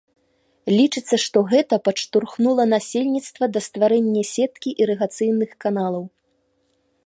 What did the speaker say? Лічыцца, што гэта падштурхнула насельніцтва да стварэння сеткі ірыгацыйных каналаў.